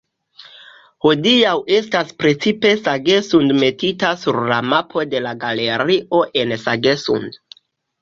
Hodiaŭ estas precipe Sagesund metita sur la mapo de la galerio en Sagesund.